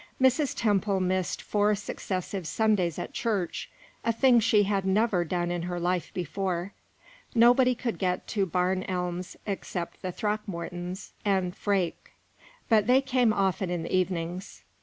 Mrs. Temple missed four successive Sundays at church a thing she had never done in her life before. Nobody could get to Barn Elms except the Throckmortons and Freke, but they came often in the evenings.